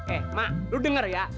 eh mak lu denger ya